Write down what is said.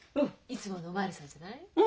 いつものお巡りさんじゃない？